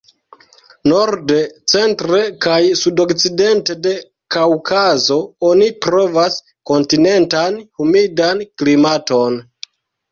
Norde, centre kaj sudokcidente de Kaŭkazo oni trovas kontinentan humidan klimaton.